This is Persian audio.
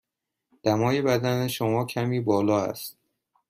دمای بدن شما کمی بالا است.